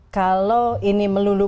kalau ini melulu